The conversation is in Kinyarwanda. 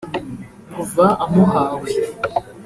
Kuva amuhawe